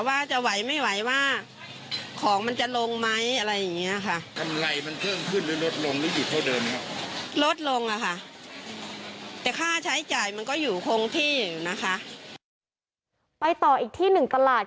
ว่าจะไหวไม่ไหวว่าของมันจะลงไหมอะไรอย่างนี้ค่ะ